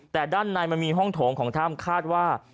แต่ด้านในมันมีห้องโถงของถ้ำคาดว่า